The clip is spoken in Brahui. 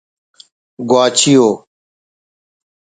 گواچی ءُ